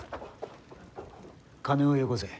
金をよこせ。